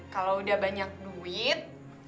kalau udah banyak duit